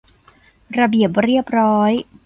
ระเบียบเรียบร้อย